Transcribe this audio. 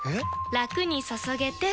ラクに注げてペコ！